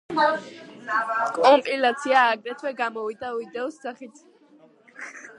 კომპილაცია აგრეთვე გამოვიდა ვიდეოს სახით.